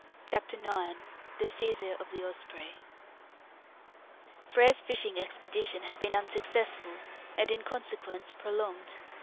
CHAPTER IX. THE SEIZURE OF THE "OSPREY" Frere's fishing expedition had been unsuccessful, and in consequence prolonged.